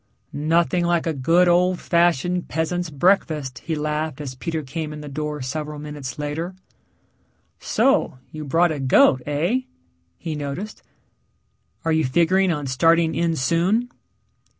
"Nothing like a good old fashioned peasant's breakfast," he laughed as Peter came in the door several minutes later. "So, you brought a goat, heh?" he noticed. "Are you figuring on starting in soon?"